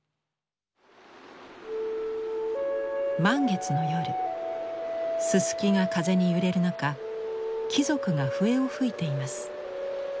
満月の夜ススキが風に揺れる中貴族が笛を吹いています。